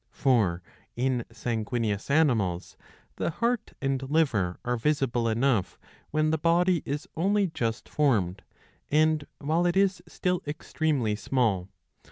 For, in sanguineous animals, the heart and liver are visible enough when the body is only just formed, and while it is still extremely small.